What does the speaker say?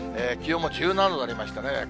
気温も１７度になりましたね。